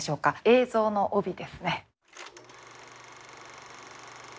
映像の帯ですね。